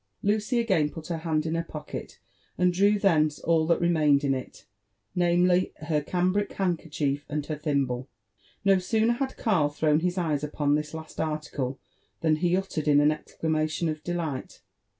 Lucy aga'm put her hand in her pocket, and dreW thenoeall that re mained in it; namely, her cambric handkerchior ^and ^her thiml>le. No sooner bad Karl thrown his e^'es upon this last article, than be uttered an exclamation of delight.